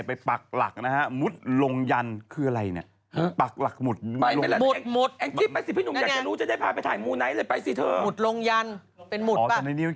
เป็นหลักหมุดลงยันปักลงไป